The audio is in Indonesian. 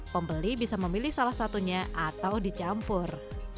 pembeli bisa memilih salah satunya atau dicampur